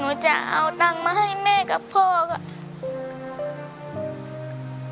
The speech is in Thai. หนูจะเอาตังค์มาให้แม่กับพ่อค่ะ